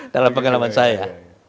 dalam pengalaman saya